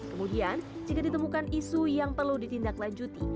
kemudian jika ditemukan isu yang perlu ditindaklanjuti